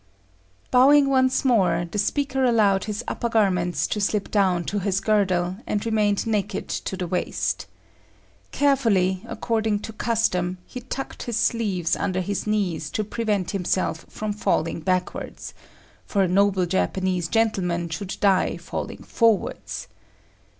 Bowing once more, the speaker allowed his upper garments to slip down to his girdle, and remained naked to the waist. Carefully, according to custom, he tucked his sleeves under his knees to prevent himself from falling backwards; for a noble Japanese gentleman should die falling forwards.